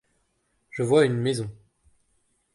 Je vois une maison.